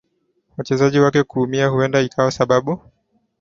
wachezaji wake kuumia huenda ikawa sababu